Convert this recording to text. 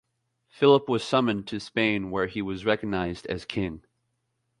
Philip was summoned to Spain, where he was recognized as king.